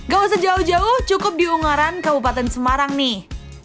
gak usah jauh jauh cukup di ungaran kabupaten semarang nih